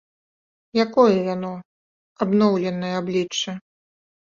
Якое яно, абноўленае аблічча?